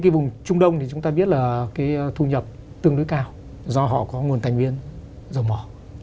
cái vùng trung đông thì chúng ta biết là cái thu nhập tương đối cao do họ có nguồn thành viên dầu mỏ